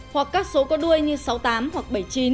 hoặc các số có đuôi như sáu mươi tám hoặc bảy mươi chín